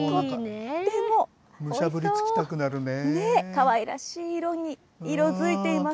かわいらしい色に色づいています。